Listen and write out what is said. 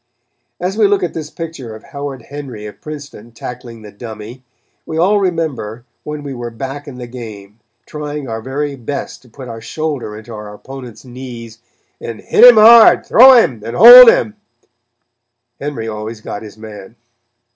As we look at this picture of Howard Henry of Princeton tackling the "dummy," we all remember when we were back in the game trying our very best to put our shoulder into our opponent's knees and "hit him hard, throw him, and hold him." Henry always got his man.